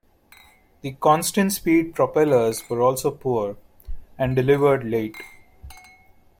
The constant-speed propellers were also poor, and delivered late.